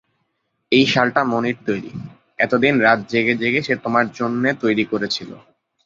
এই শালটা মণির তৈরি, এতদিন রাত জেগে জেগে সে তোমার জন্যে তৈরি করছিল।